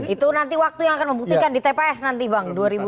itu nanti waktu yang akan membuktikan di tps nanti bang